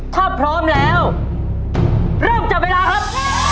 ถ้าพร้อมแล้วเริ่มจับเวลาครับ